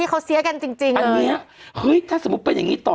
เออเสียกันทำไม